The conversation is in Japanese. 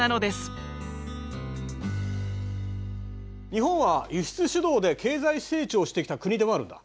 日本は輸出主導で経済成長してきた国でもあるんだ。